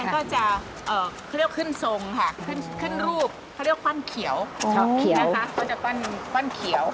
เขาเรียกว่าขึ้นทรงค่ะขึ้นรูปเขาเรียกว่าขั้นเขียวนะคะเขาจะปั้นขั้นเขียว